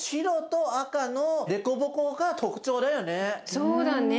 そうだね。